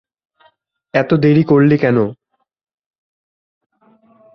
এত দেরি করলি কেন?